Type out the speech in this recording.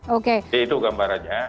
jadi itu gambarannya